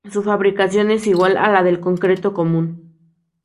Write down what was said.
Su fabricación es igual a la del concreto común.